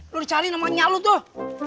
lu dicari namanya lo tuh